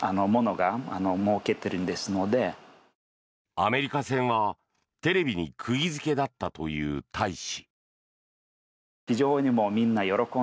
アメリカ戦はテレビに釘付けだったという大使。